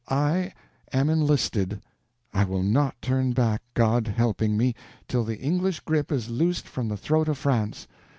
I am enlisted, I will not turn back, God helping me, till the English grip is loosed from the throat of France.